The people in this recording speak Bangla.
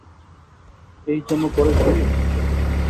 এই জামা পড়ে বিয়ে?